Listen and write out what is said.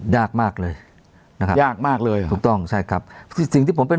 ยากมากเลยยากมากเลยค่ะถูกต้องค่ะสิ่งที่ผมเป็น